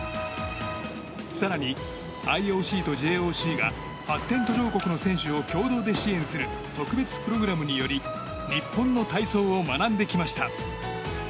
更に、ＩＯＣとＪＯＣが発展途上国の選手を共同で支援する特別プログラムにより日本の体操を学んできました。